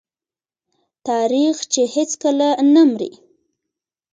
تاریخ چې هیڅکله نه مري.